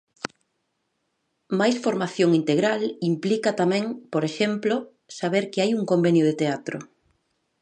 Mais formación integral implica tamén, por exemplo, saber que hai un convenio de teatro.